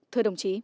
thưa đồng chí